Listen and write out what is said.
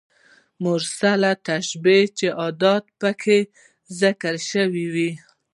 مرسله تشبېه چي ادات پکښي ذکر سوي يي.